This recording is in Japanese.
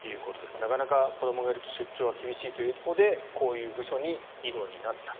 なかなか子どもがいると出張は厳しいということでこういう部署に異動になったと。